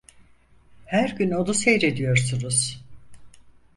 Her gün onu seyrediyorsunuz!